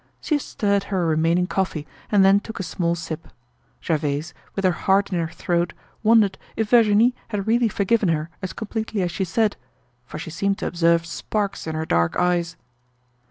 She stirred her remaining coffee and then took a small sip. Gervaise, with her heart in her throat, wondered if Virginie had really forgiven her as completely as she said, for she seemed to observe sparks in her dark eyes.